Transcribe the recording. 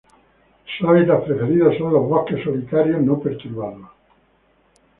Su hábitat preferido son los bosques solitarios no perturbados.